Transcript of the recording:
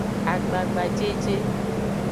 Agbagajeje.